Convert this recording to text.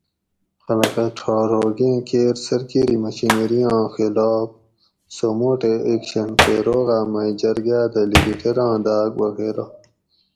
خلقاں ڄھار ھوگیں کیر سرکیری مشینری آں خلاف سوموٹو ایکشن تے روغاۤ مئ جرگاۤ دہ لیگیٹیراں داۤگ وغیرہ